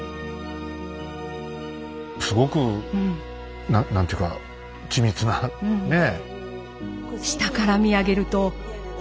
すごく何というか緻密なねえ。